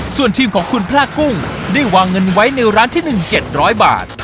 ส่วนทีมของคุณพลากุ้งได้วางเงินไว้ในร้านที่๑๗๐๐บาท